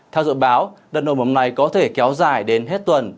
theo dự báo đợt nồm ẩm này có thể kéo dài đến hết tuần